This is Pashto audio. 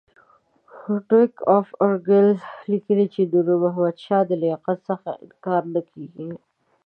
ډوک اف ارګایل لیکي د نور محمد شاه د لیاقت څخه انکار نه کېږي.